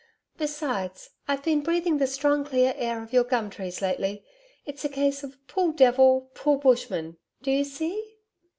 Besides, I've been breathing the strong clear air of your gum trees lately. It's a case of pull devil pull bushman. Do you see?'